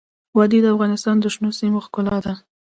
وادي د افغانستان د شنو سیمو ښکلا ده.